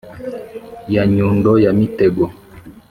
ya nyundo ya mitego,